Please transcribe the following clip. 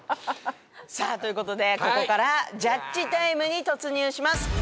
さぁということでここからジャッジタイムに突入します。